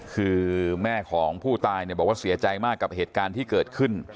คือแม่ของผู้ตายบอกว่าเสียใจมากกับเหตุการณ์ที่เกิดขึ้น